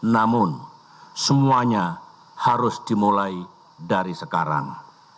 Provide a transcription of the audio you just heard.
namun semuanya harus dimulai dari sekarang